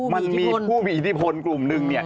มันมีผู้ผิดที่พลกลุ่มหนึ่ง